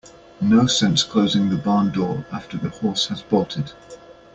No sense closing the barn door after the horse has bolted.